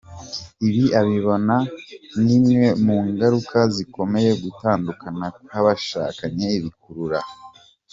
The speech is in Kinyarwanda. Ibi abibona nk’imwe mu ngaruka zikomeye gutandukana kw’abashakanye bikurura.